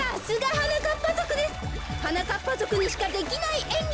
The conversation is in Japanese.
はなかっぱぞくにしかできないえんぎ。